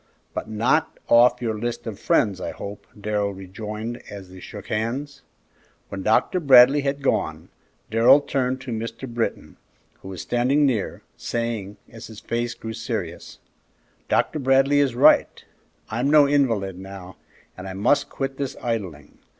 "But not off your list of friends, I hope," Darrell rejoined, as they shook hands. When Dr. Bradley had gone, Darrell turned to Mr. Britton, who was standing near, saying, as his face grew serious, "Dr. Bradley is right; I'm no invalid now, and I must quit this idling.